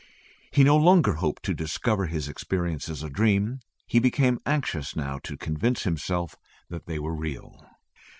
He no longer hoped to discover his experiences a dream; he became anxious now to convince himself that they were real.